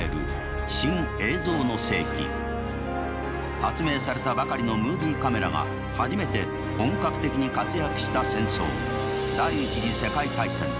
発明されたばかりのムービーカメラが初めて本格的に活躍した戦争第一次世界大戦。